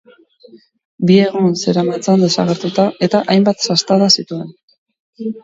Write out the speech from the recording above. Bi egun zeramatzan desagertuta, eta hainbat sastada zituen.